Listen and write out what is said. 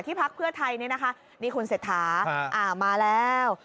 ที่พักเพื่อไทยเนี้ยนะคะนี่คุณเศรษฐาค่ะอ่ามาแล้ว